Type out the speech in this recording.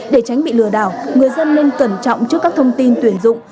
để tránh bị lừa đảo người dân nên cẩn trọng trước các thông tin tuyển dụng